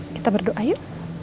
kita berdoa yuk